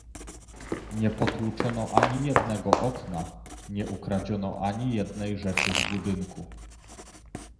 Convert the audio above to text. Nie potłuczono ani jednego okna, nie ukradziono ani jednej rzeczy z budynku